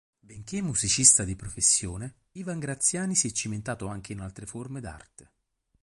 Benché musicista di professione, Ivan Graziani si è cimentato anche in altre forme d'arte.